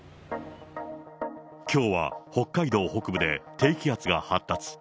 きょうは北海道北部で低気圧が発達。